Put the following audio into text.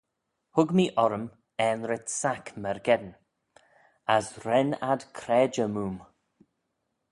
Hug mee orrym aanrit-sack myrgeddin: as ren ad craidey moo'm.